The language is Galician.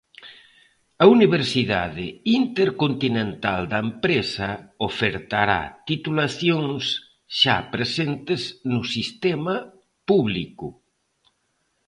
A Universidade Intercontinental da Empresa ofertará titulacións xa presentes no sistema público.